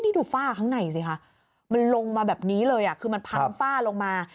นี่ดูฝ้าข้างในสิคะมันลงมาแบบนี้เลยคือมันพังฝ้าลงมา